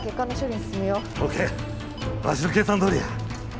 わしの計算どおりや。